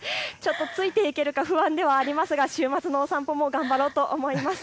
ついていけるか不安ではありますが週末のお散歩も頑張ろうと思います。